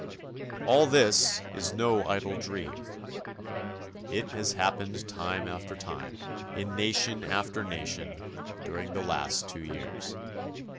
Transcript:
All this is no idle dream. It has happened time after time, in nation after nation, during the last two years.